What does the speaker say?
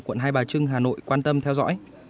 quận hai bà trưng hà nội quan tâm theo dõi